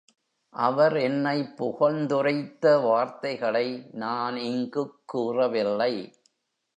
அவர் என்னைப் புகழ்ந்துரைத்த வார்த்தைகளை நான் இங்குக் கூறவில்லை.